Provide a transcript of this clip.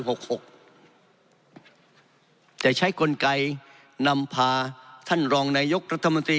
หกหกจะใช้กลไกนำพาท่านรองนายกรัฐมนตรี